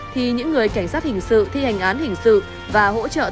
khi những người cảnh sát hình sự thi hành án hình sự và hỗ trợ thi hành án